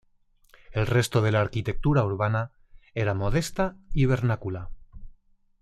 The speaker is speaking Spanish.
El resto de la arquitectura urbana era modesta y vernácula.